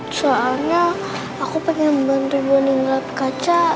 soalnya aku pengen bantu bonny ngelap kaca